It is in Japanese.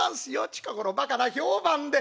近頃バカな評判で」。